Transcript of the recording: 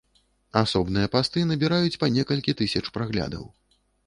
Асобныя пасты набіраюць па некалькі тысяч праглядаў.